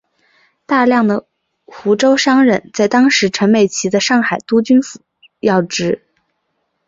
大量的湖州商人在当时陈其美的上海督军府任要职。